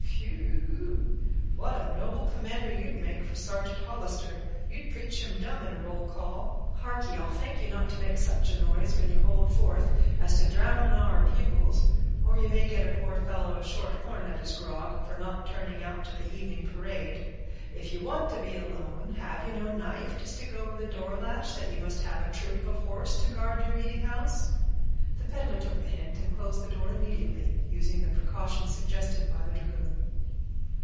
"Whew ew ew—what a noble commander you'd make for Sergeant Hollister! You'd preach him dumb in a roll call. Harkee, I'll thank you not to make such a noise when you hold forth, as to drown our bugles, or you may get a poor fellow a short horn at his grog, for not turning out to the evening parade. If you want to be alone, have you no knife to stick over the door latch, that you must have a troop of horse to guard your meetinghouse?" The peddler took the hint, and closed the door immediately, using the precaution suggested by the dragoon.